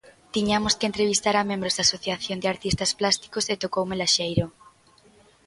Tiñamos que entrevistar a membros da asociación de artistas plásticos e tocoume Laxeiro.